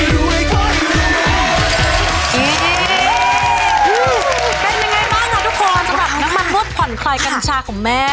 เป็นยังไงบ้างค่ะทุกคนสำหรับน้ำมันรวดผ่อนคลายกัญชาของแม่